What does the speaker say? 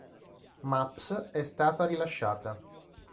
Maps è stata rilasciata.